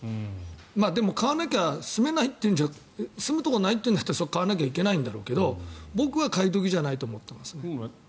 でも、買わなきゃ住めない住むとこないって言うんだったらそこを買わなきゃいけないんだろうけど僕は買い時じゃないと思っています。